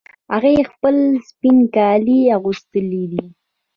هغې خپل سپین کالي اغوستې دي